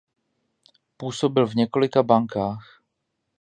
Působil v několika bankách.